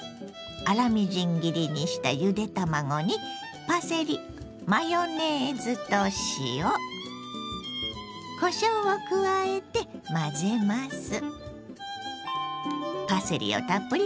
粗みじん切りにしたゆで卵にパセリマヨネーズと塩こしょうを加えて混ぜます。